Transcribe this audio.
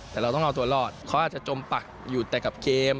แต่เราต้องเอาตัวรอดเขาอาจจะจมปักอยู่แต่กับเกม